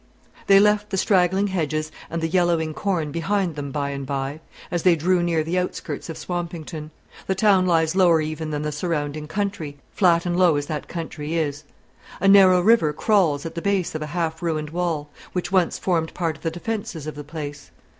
They left the straggling hedges and the yellowing corn behind them by and by, as they drew near the outskirts of Swampington. The town lies lower even than the surrounding country, flat and low as that country is. A narrow river crawls at the base of a half ruined wall, which once formed part of the defences of the place.